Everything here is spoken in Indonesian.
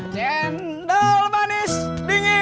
jendol manis dingin